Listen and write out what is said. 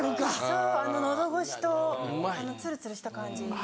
そうあの喉越しとツルツルした感じ。